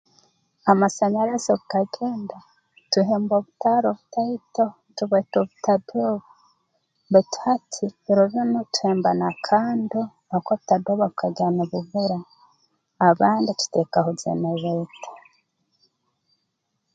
Amasanyarazi obu gagenda tuhemba obutaara obutaito tubweta obutadooba baitu hati biro binu tehemba na kando habwokuba obutadooba bukagenda nububura abandi tuteekaho jenerreeta